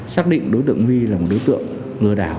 xác định đối tượng huy là một đối tượng lừa đảo